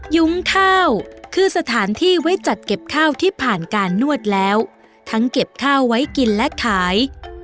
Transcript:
ยุ้งข้าวคือสถานที่ไว้จัดเก็บข้าวที่ผ่านการนวดแล้วทั้งเก็บข้าวไว้กินและขาย